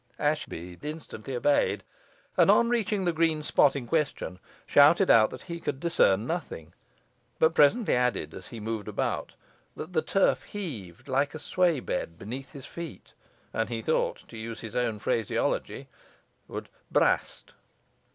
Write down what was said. Ashbead instantly obeyed, and on reaching the green spot in question, shouted out that he could discern nothing; but presently added, as he moved about, that the turf heaved like a sway bed beneath his feet, and he thought to use his own phraseology would "brast."